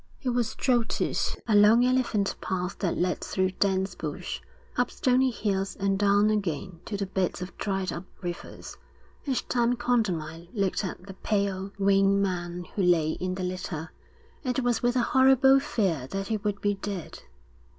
He was jolted along elephant paths that led through dense bush, up stony hills and down again to the beds of dried up rivers. Each time Condamine looked at the pale, wan man who lay in the litter, it was with a horrible fear that he would be dead.